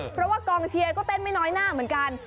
เพราะว่ากองเชียร์ก็เต้นไม่น้อยหน้าเหมือนกัน